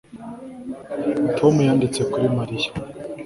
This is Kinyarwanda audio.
Tom yanditse kuri Mariya